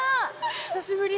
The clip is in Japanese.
久しぶり？